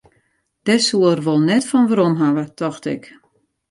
Dêr soe er wol net fan werom hawwe, tocht ik.